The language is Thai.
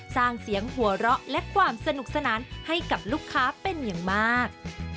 สร้างเสียงหัวเราะและความสนุกสนานให้กับลูกค้าเป็นอย่างมาก